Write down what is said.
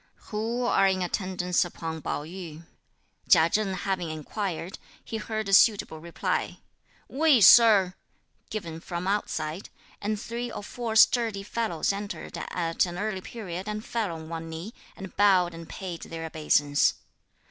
"Who are in attendance upon Pao yü?" Chia Cheng having inquired, he heard a suitable reply, "We, Sir!" given from outside; and three or four sturdy fellows entered at an early period and fell on one knee, and bowed and paid their obeisance.